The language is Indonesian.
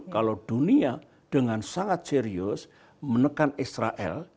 kalau dunia dengan sangat serius menekan israel